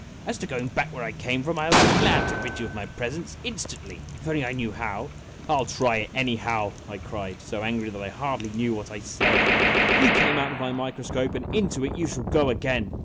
As to going back where I came from, I would be glad to rid you of my presence in stantly if only I knew how." "I '11 try it, anyhow !" I cried, so angry that I hardly knew what I said. " You came out of my microscope, and into it you shall go again